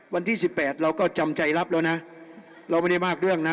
วันที่สิบแปดเราก็จำใจรับแล้วนะเราไม่ได้มากเรื่องนะ